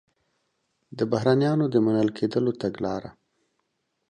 د بهرنیانو د منل کېدلو تګلاره